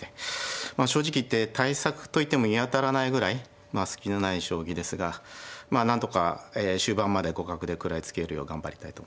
まあ正直言って対策といっても見当たらないぐらい隙のない将棋ですがまあなんとか終盤まで互角で食らいつけるよう頑張りたいと思います。